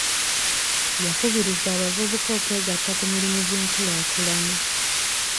Yakubiriza abavubuka okwegatta ku mirimu gy'enkulaakulana.